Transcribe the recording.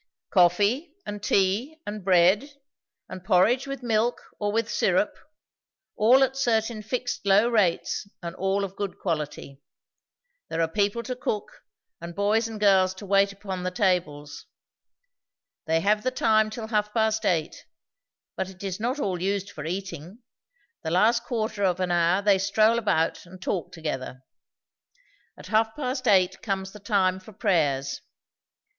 "Coffee and tea and bread, and porridge with milk or with syrup all at certain fixed low rates and all of good quality. There are people to cook, and boys and girls to wait upon the tables. They have the time till half past eight, but it is not all used for eating; the last quarter of an hour they stroll about and talk together. At half past eight comes the time for prayers.